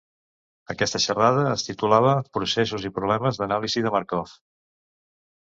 Aquesta xerrada es titulava "Processos i problemes d'anàlisi de Markov".